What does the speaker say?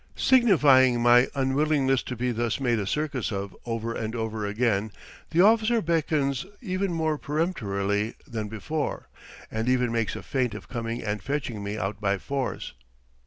Signifying my unwillingness to be thus made a circus of over and over again, the officer beckons even more peremptorily than before, and even makes a feint of coming and fetching me out by force.